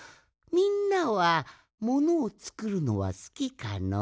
みんなはものをつくるのはすきかの？